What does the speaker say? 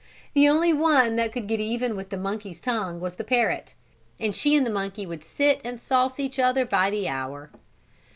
The only one that could get even with the monkey's tongue was the parrot, and she and the monkey would sit and sauce each other by the hour.